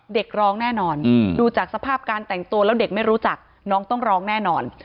เด็กร้องแน่นอนดูจากสภาพการแต่งตัวแล้วเด็กไม่รู้จักน้องต้องร้องแน่นอน